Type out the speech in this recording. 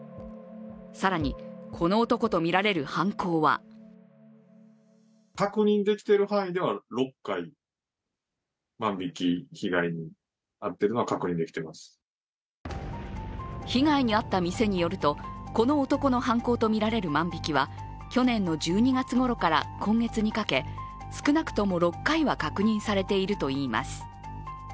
更に、この男とみられる犯行は被害に遭った店によるとこの男の犯行とみられる万引きは去年の１２月ごろから今月にかけ少なくとも６回は確認されているといいます。